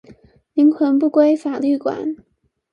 靈魂不歸法律管